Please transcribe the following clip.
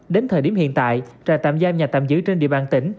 đến thời điểm hiện tại trại tạm giam nhà tạm giữ trên địa bàn tỉnh